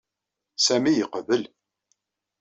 Sami yeqbel.